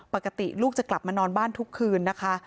ปกติลูกจะกลับมานอนบ้านทุกคืนนะคะ